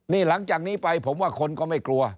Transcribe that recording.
นี่หลังจากนี้ไปผมว่าคนก็ไม่กลัว